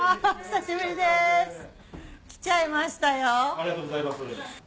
ありがとうございます。